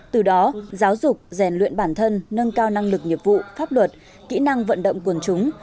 từ đó giáo dục rèn luyện bản thân nâng cao năng lực nghiệp vụ pháp luật kỹ năng vận động quần chúng